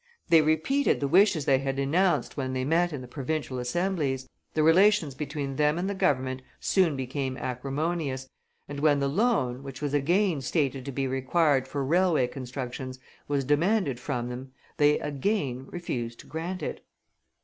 They repeated the wishes they had enounced when they met in the provincial assembles; the relations between them and the Government soon became acrimonious, and when the loan, which was again stated to be required for railway constructions, was demanded from them, they again refused to grant it.